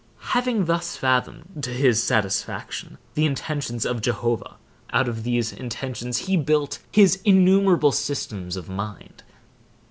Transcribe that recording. Having thus fathomed, to his satisfaction, the intentions of Jehovah, out of these intentions he built his innumerable systems of mind.